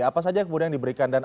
apa saja yang kemudian diberikan dan